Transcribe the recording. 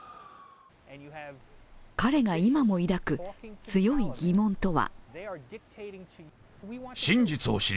彼が今も抱く強い疑問とは？